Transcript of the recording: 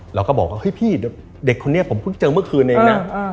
เราก็บอกว่าเฮ้ยพี่เด็กคนนี้ผมเพิ่งเจอเมื่อคืนเองนะ